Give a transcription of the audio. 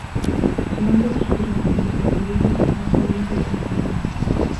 Su nombre se refiere al municipio de Diezma, en la provincia de Granada.